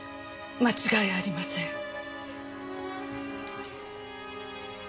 間違いありません。